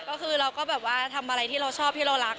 ก็คือเราก็แบบว่าทำอะไรที่เราชอบที่เรารัก